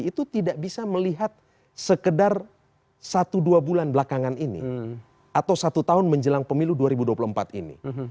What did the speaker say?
itu tidak bisa melihat sekedar satu dua bulan belakangan ini atau satu tahun menjelang pemilu dua ribu dua puluh empat ini